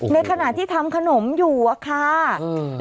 ในขณะที่ทำขนมอยู่อะค่ะ